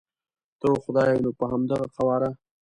ته او خدای نو په همدغه قواره.